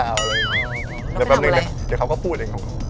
เดี๋ยวแป๊บนึงเดี๋ยวเขาก็พูดเอง